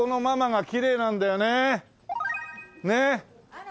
あら。